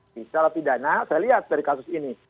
secara pidana saya lihat dari kasus ini